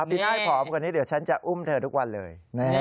ปีหน้าให้พร้อมกว่านี้เดี๋ยวฉันจะอุ้มเธอทุกวันเลย